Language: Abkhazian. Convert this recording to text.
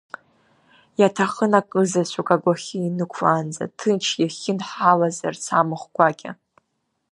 Иаҭахын акызаҵәык агәахьы инықәлаанӡа, ҭынч иахьынҳалазарц амахә гәакьа.